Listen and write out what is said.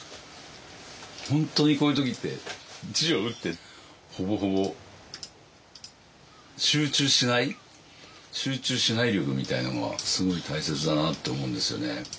本当にこういう時って字を打ってほぼほぼ集中しない力みたいなのはすごい大切だなって思うんですよね。